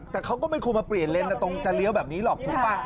แต่เขาก็ไม่ควรมาเปลี่ยนเลนส์ตรงจะเลี้ยวแบบนี้หรอกถูกป่ะ